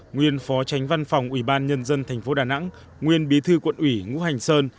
nguyên phó tránh văn phòng ủy ban nhân dân tp đà nẵng nguyên bí thư quận ủy ngũ hành sơn